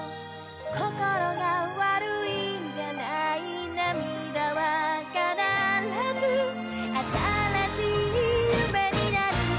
「こころが悪いんじゃない」「涙はかならずあたらしい夢になる」